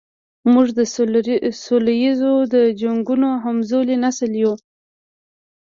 موږ د څو لسیزو د جنګونو همزولی نسل یو.